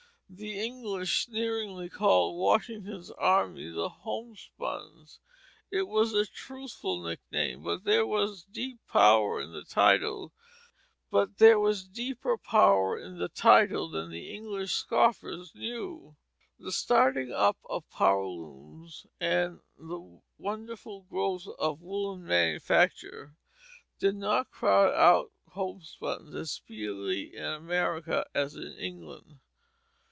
The English sneeringly called Washington's army the "Homespuns." It was a truthful nickname, but there was deeper power in the title than the English scoffers knew. The starting up of power looms and the wonderful growth of woollen manufacture did not crowd out homespun as speedily in America as in England.